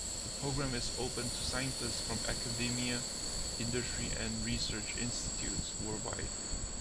The program is open to scientists from academia, industry, and research institutes worldwide.